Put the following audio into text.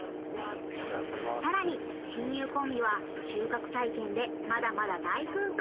［さらに親友コンビは収穫体験でまだまだ大奮闘！］